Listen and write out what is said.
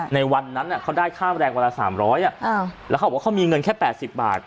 ในวันนั้นเขาได้ค่าแรงวันละ๓๐๐แล้วเขาบอกว่าเขามีเงินแค่๘๐บาท